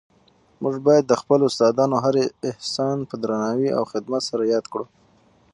موږ باید د خپلو استادانو هر احسان په درناوي او خدمت سره یاد کړو.